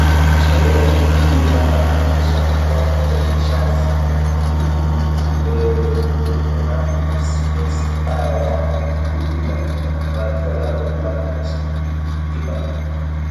Sheria hii ikimaanisha kuwa kishazi hiki kimeundwa na spesifaya ya kiima ikifuatiwa na upatanishi kiima